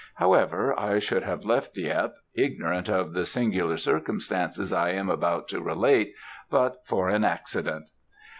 However, I should have left Dieppe, ignorant of the singular circumstances I am about to relate, but for an accident.